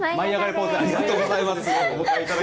ポーズ、ありがとうございます。